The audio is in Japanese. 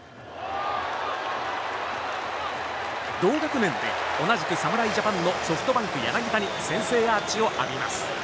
同学年で同じく侍ジャパンのソフトバンク、柳田に先制アーチを浴びます。